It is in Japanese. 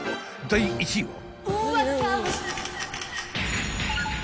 ［第１位は］